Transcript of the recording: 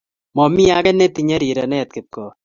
Mami age netinye riranet kipkoi